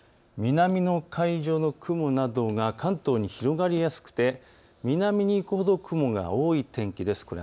南の海上の雲などが関東に広がりやすくて南に行くほど雲が多い天気です。